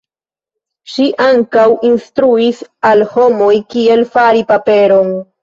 Ŝi ankaŭ instruis al homoj kiel fari paperon.